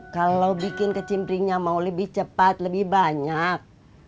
kalau bikin kecimpringnya mau lebih cepat lebih banyak